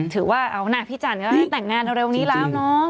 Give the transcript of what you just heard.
ถือว่าเอานะพี่จันก็ได้แต่งงานเร็วนี้แล้วเนาะ